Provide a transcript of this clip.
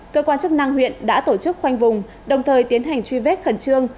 cơ quan chức năng huyện đã tổ chức khoanh vùng đồng thời tiến hành truy vết khẩn trương